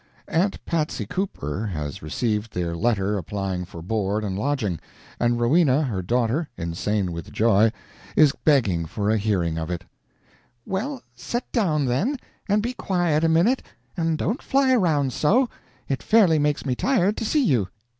Aunt Patsy Cooper has received their letter applying for board and lodging, and Rowena, her daughter, insane with joy, is begging for a hearing of it: "Well, set down then, and be quiet a minute and don't fly around so; it fairly makes me tired to see you.